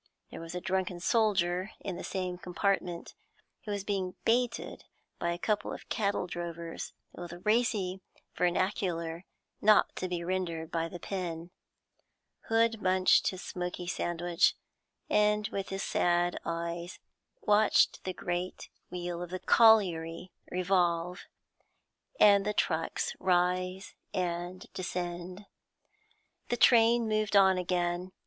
There was a drunken soldier in the same compartment, who was being baited by a couple of cattle drovers with racy vernacular not to be rendered by the pen. Hood munched his smoky sandwich, and with his sad eyes watched the great wheel of the colliery revolve, and the trucks rise and descend. The train moved on again.